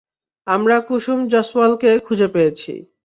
আমরা কুসুম জয়সওয়ালকে খুঁজে পেয়েছি।